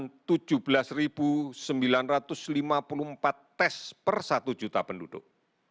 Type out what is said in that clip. dan kita sudah melakukan pemeriksaan sembilan ratus lima puluh empat tes per satu juta penduduk